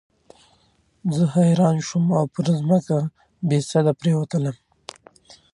زه حیران شوم او پر مځکه بېسده پرېوتلم.